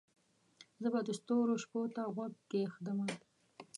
زه به د ستورو شپو ته غوږ کښېږدمه